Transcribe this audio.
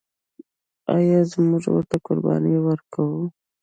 آیا موږ ورته قرباني ورکوو؟